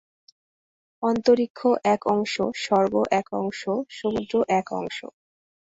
অন্তরীক্ষ এক অংশ, স্বর্গ এক অংশ, সমুদ্র এক অংশ।